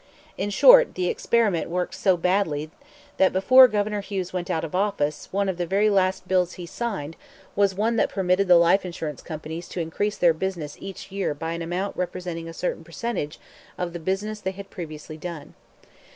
In short, the experiment worked so badly that before Governor Hughes went out of office one of the very last bills he signed was one that permitted the life insurance companies to increase their business each year by an amount representing a certain percentage of the business they had previously done.